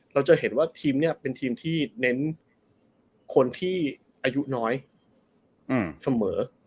เราจะเห็นว่าทีมนี้เป็นทีมที่เน้นคนที่อายุน้อยเสมอ